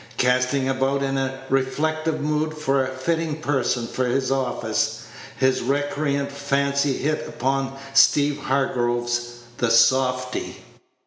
Casting about in a reflective mood for a fitting person for this office, his recreant fancy hit upon Steeve Hargraves, the softy.